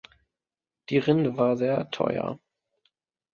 Die Rinde war sehr teuer.